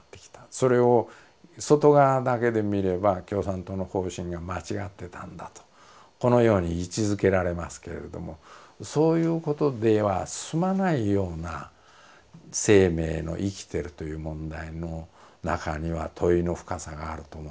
それを外側だけで見れば共産党の方針が間違ってたんだとこのように位置づけられますけれどもそういうことでは済まないような生命の生きてるという問題の中には問いの深さがあると思うんですよ。